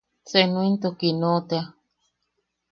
Senu into Kiino tea.